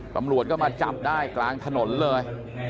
ตำรวจก็มาจับได้กลางถนนเลย